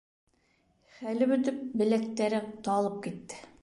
Хәле бөтөп, беләктәре талып китте.